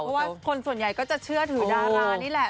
เพราะว่าคนส่วนใหญ่ก็จะเชื่อถือดารานี่แหละ